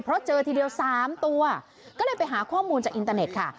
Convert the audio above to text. เพราะเจอทีเดียว๓ตัวก็เลยไปหาข้อมูลจากอินเตอร์เน็ตค่ะ